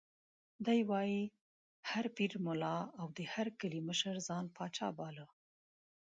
دی وایي: هر پیر، ملا او د هر کلي مشر ځان پاچا باله.